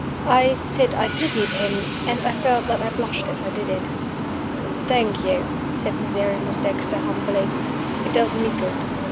I said I pitied him and I felt that I blushed as I did it. "Thank you," said Miserrimus Dexter, humbly. "It does me good.